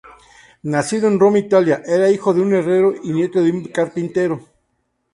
Nacido en Roma, Italia, era hijo de un herrero y nieto de un carpintero.